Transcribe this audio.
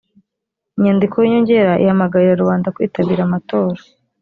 inyandiko y’inyongera ihamagarira rubanda kwitabira amatora